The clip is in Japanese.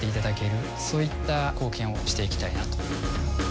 そういった貢献をしていきたいなと。